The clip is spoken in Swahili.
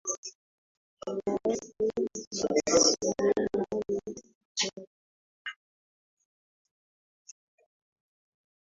maarufu wa sinema ni waraibu wa dawa za kulevya